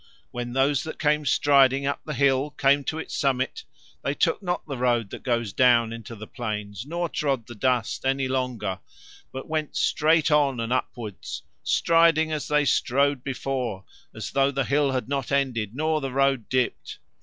When those that came striding up the hill came to its summit they took not the road that goes down into the plains nor trod the dust any longer, but went straight on and upwards, striding as they strode before, as though the hill had not ended nor the road dipped.